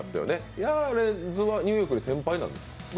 ヤーレンズはニューヨークの先輩なんですか。